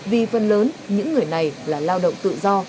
vì phần lớn những người này là lao động tự do